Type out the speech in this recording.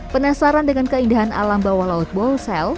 penasaran dengan keindahan alam bawah laut ball cell